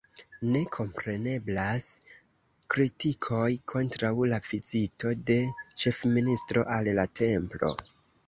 Ne kompreneblas kritikoj kontraŭ la vizito de ĉefministro al la templo.